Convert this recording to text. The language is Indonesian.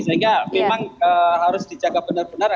sehingga memang harus dijaga benar benar